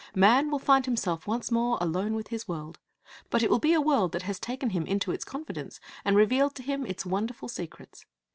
Man will find himself once more alone with his world, but it will be a world that has taken him into its confidence and revealed to him its wonderful secrets.